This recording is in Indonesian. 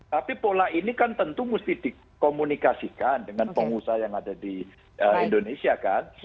tapi pola ini kan tentu mesti dikomunikasikan dengan pengusaha yang ada di indonesia kan